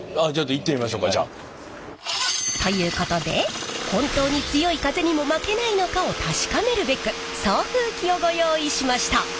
行ってみましょうかじゃあ。ということで本当に強い風にも負けないのかを確かめるべく送風機をご用意しました。